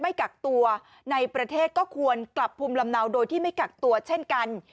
อางงานในประเทศก็ควรกลับภูมิลำเนาโดยไม่กลักตัวเช่นกัน